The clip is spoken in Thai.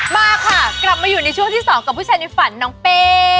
มาค่ะกลับมาอยู่ในช่วงที่๒กับผู้ชายในฝันน้องเป้